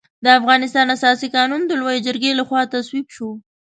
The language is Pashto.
د افغانستان اساسي قانون د لويې جرګې له خوا تصویب شو.